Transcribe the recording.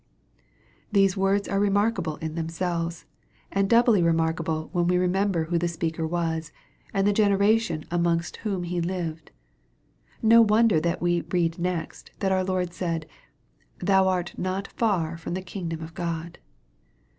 These words are remarkable in themselves, and doubly remark able when we remember who the speaker was, and the generation amongst whom he lived. No wonder that we read next, that our Lord said, " thou art not far from the kingdom of God."